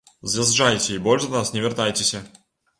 З'язджайце і больш да нас не вяртайцеся.